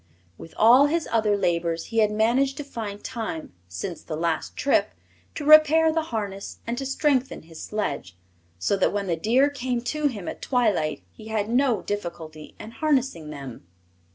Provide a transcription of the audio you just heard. With all his other labors he had managed to find time, since the last trip, to repair the harness and to strengthen his sledge, so that when the deer came to him at twilight he had no difficulty in harnessing them.